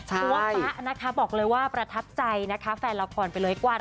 ตัวป๊ะนะคะบอกเลยว่าประทับใจนะคะแฟนละครไปเลยกว่า